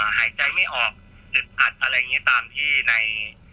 หายใจไม่ออกอึดอัดอะไรอย่างนี้ตามที่ใน